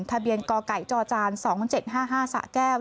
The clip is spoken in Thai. ทะเบียนก่อไก่จอจาน๒๗๕๕สะแก้ว